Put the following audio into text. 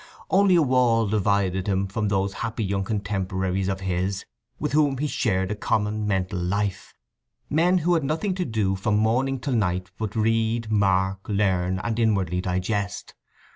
Only a wall divided him from those happy young contemporaries of his with whom he shared a common mental life; men who had nothing to do from morning till night but to read, mark, learn, and inwardly digest.